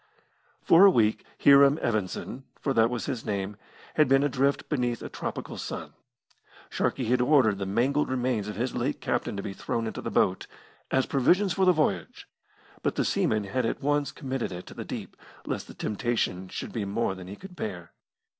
For a week Hiram Evanson, for that was his name, had been adrift beneath a tropical sun. Sharkey had ordered the mangled remains of his late captain to be thrown into the boat, "as provisions for the voyage," but the seaman had at once committed it to the deep, lest the temptation should be more than he could bear.